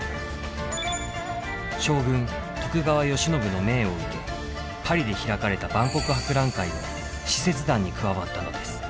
将軍徳川慶喜の命を受けパリで開かれた万国博覧会の使節団に加わったのです。